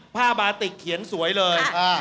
ผ้าบาติกเขียนสวยเลย